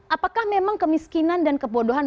apakah memang kemiskinan dan kebodohan